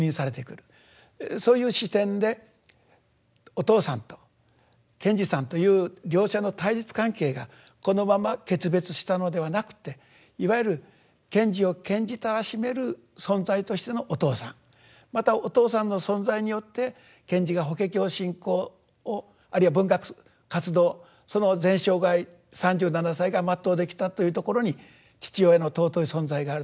そういう視点でお父さんと賢治さんという両者の対立関係がこのまま決別したのではなくていわゆる賢治を賢治たらしめる存在としてのお父さんまたお父さんの存在によって賢治が法華経信仰をあるいは文学活動その全生涯３７歳が全うできたというところに父親の尊い存在があると。